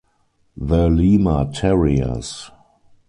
The Lima Terriers.